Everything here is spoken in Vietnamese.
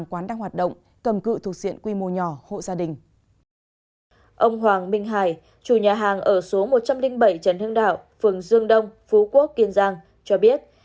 ông hoàng minh hải chủ nhà hàng ở số một trăm linh bảy trần hưng đạo phường dương đông phú quốc kiên giang cho biết